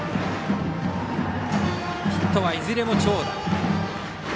ヒットはいずれも長打。